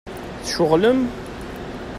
Tceɣlem?